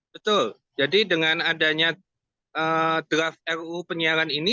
betul jadi dengan adanya draft ruu penyiaran ini